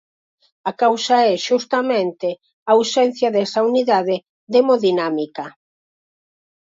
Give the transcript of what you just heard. A causa é, xustamente, a ausencia desa unidade de hemodinámica.